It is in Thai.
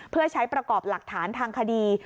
เพื่อใช้ประกอบหลักฐานทางคดี